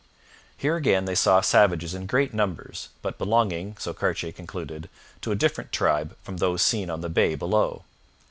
Here again they saw savages in great numbers, but belonging, so Cartier concluded, to a different tribe from those seen on the bay below.